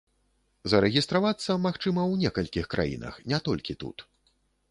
Зарэгістравацца, магчыма, у некалькіх краінах, не толькі тут.